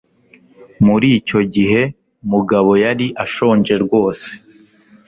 Muri icyo gihe, Mugabo yari ashonje rwose.